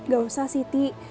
gak usah siti